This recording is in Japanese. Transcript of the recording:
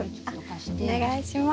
お願いします。